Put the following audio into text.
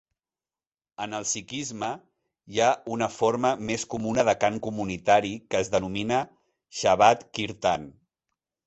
En el sikhisme, hi ha una forma més comuna de cant comunitari que es denomina "Shabad Kirtan".